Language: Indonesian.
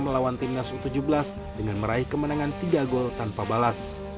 melawan timnas u tujuh belas dengan meraih kemenangan tiga gol tanpa balas